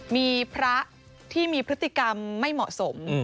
มีพระที่มีพฤติกรรมไม่เหมาะสม